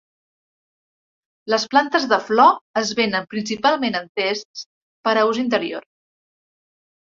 Les plantes de flor es venen principalment en tests per a ús interior.